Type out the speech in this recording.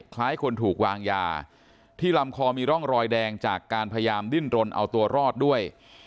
คล้ายคนถูกวางยาที่ลำคอมีร่องรอยแดงจากการพยายามดิ้นรนเอาตัวรอดด้วย